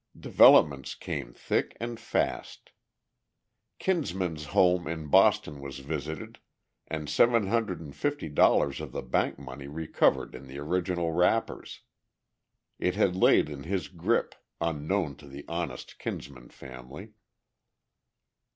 Developments came thick and fast. Kinsman's home in Boston was visited, and $750 of the bank money recovered in the original wrappers. It had laid in his grip, unknown to the honest Kinsman family.